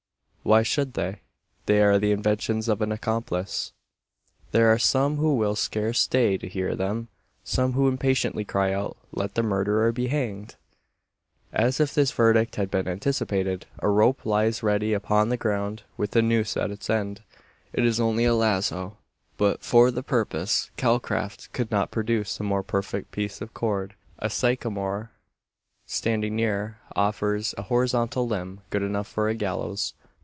Why should they? They are the inventions of an accomplice. There are some who will scarce stay to hear them some who impatiently cry out, "Let the murderer be hanged!" As if this verdict had been anticipated, a rope lies ready upon the ground, with a noose at its end. It is only a lazo; but for the purpose Calcraft could not produce a more perfect piece of cord. A sycamore standing near offers a horizontal limb good enough for a gallows.